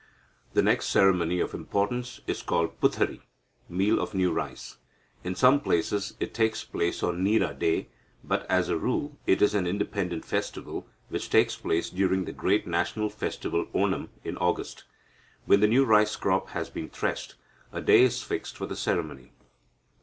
"The next ceremony of importance is called Puthari (meal of new rice). In some places it takes place on Nira day, but, as a rule, it is an independent festival, which takes place during the great national festival Onam in August. When the new rice crop has been threshed, a day is fixed for the ceremony.